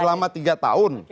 selama tiga tahun